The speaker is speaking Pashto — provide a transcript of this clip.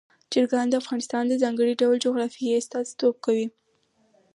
چرګان د افغانستان د ځانګړي ډول جغرافیه استازیتوب کوي.